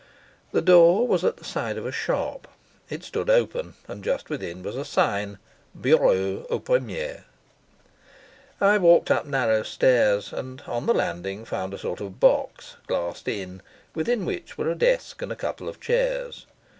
The door was at the side of a shop. It stood open, and just within was a sign: I walked up narrow stairs, and on the landing found a sort of box, glassed in, within which were a desk and a couple of chairs.